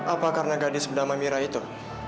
apa karena gadis bernama mira itu